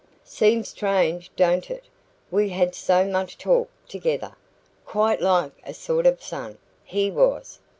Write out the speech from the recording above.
Seems strange, don't it? We had so much talk together. Quite like a sort of son, he was.